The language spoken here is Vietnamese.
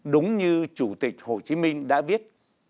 đúng như chủ tịch hồ chí minh đã viết